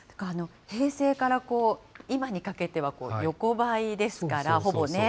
平成から今にかけては横ばいですから、ほぼね。